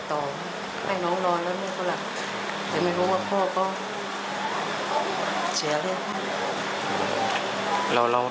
แต่ไม่รู้ว่าพ่อก็เศียรี่